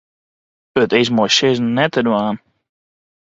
It is mei sizzen net te dwaan.